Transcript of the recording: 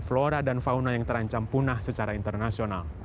flora dan fauna yang terancam punah secara internasional